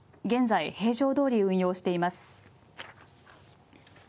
現在平常通り運用しています。